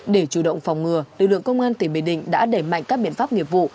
để chủ động phòng ngừa lực lượng công an tỉnh bình định đã đẩy mạnh các biện pháp nghiệp vụ